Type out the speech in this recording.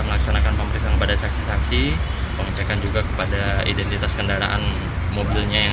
melaksanakan pemeriksaan pada saksi saksi pengecekan juga kepada identitas kendaraan mobilnya yang